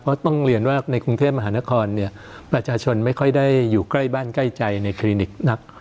เพราะต้องเรียนว่าในกรุงเทพมหานครเนี่ยประชาชนไม่ค่อยได้อยู่ใกล้บ้านใกล้ใจในคลินิกนัก